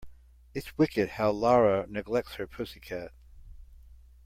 It's wicked how Lara neglects her pussy cat.